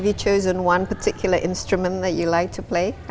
apakah kamu memilih satu instrumen yang kamu suka mempelajari